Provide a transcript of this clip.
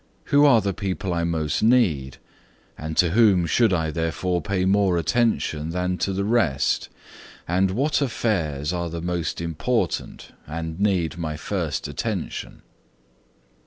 Who are the people I most need, and to whom should I, therefore, pay more attention than to the rest? And, what affairs are the most important, and need my first attention?"